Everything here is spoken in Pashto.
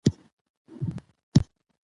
انټرنېټ معلوماتو ته لاسرسی زیاتوي.